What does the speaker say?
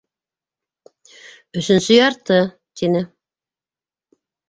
— Өсөнсө ярты, — тине.